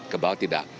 ke bawah tidak